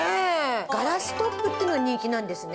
ガラストップっていうのが人気なんですね。